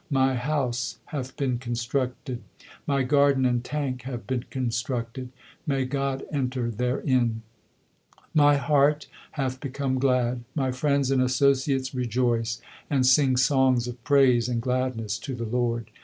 My house hath been constructed ; my garden and tank have been constructed ; may God enter therein ! My heart hath become glad ; my friends and associates rejoice, and sing songs of praise and gladness to the Lord.